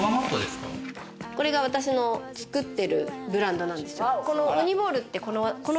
これが私の作ってるブランドなんですよ。